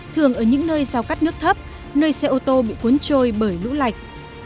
thường ở những nơi giao cắt nước thấp nơi xe ô tô bị cuốn trôi bởi lũ lạch